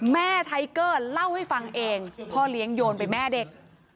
ไทเกอร์เล่าให้ฟังเองพ่อเลี้ยงโยนไปแม่เด็ก